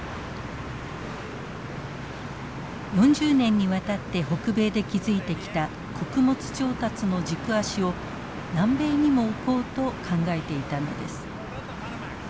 ４０年にわたって北米で築いてきた穀物調達の軸足を南米にも置こうと考えていたのです。